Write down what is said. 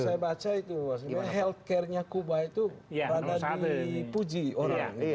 kalau kita baca itu health care nya kubu itu pada dipuji orang